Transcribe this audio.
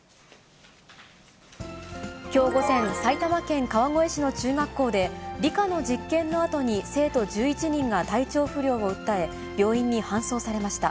きょう午前、埼玉県川越市の中学校で、理科の実験のあとに生徒１１人が体調不良を訴え、病院に搬送されました。